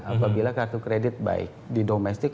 apabila kartu kredit baik di domestik